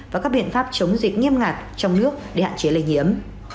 và các biện pháp chống dịch nghiêm ngặt trong nước để hạn chế lây nhiễm